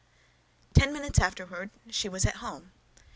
Ten minutes afterward she was at home.